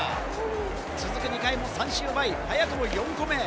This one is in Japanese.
続く２回も三振を奪い、早くも４個目。